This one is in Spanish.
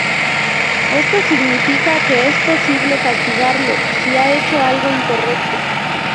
Esto significa que es posible castigarlo si ha hecho algo incorrecto.